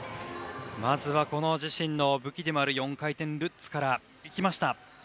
まずは自身の武器でもある４回転ルッツからいきました。